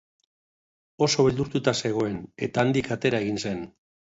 Oso beldurtuta zegoen eta handik atera egin zen.